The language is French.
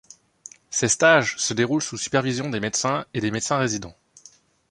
Ces stages se déroulent sous supervision des médecins et des médecins résidents.